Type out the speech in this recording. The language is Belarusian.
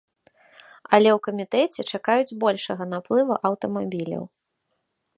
Але ў камітэце чакаюць большага наплыву аўтамабіляў.